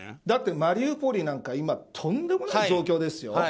だってマリウポリなんか今、とんでもない状況ですよ。